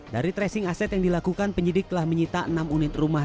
dari tracing aset yang dilakukan penyidik telah menyita enam unit rumah